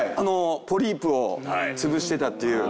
ポリープを潰してたっていう。